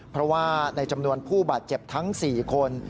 เพราะว่าในจำนวนผู้บาดเจ็บทั้ง๔คน